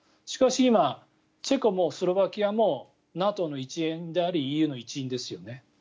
しかし今、チェコもスロバキアもＮＡＴＯの一員でありＥＵの一員ですよね。